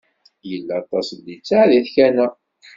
Yella aṭas n litteɛ deg tkanna.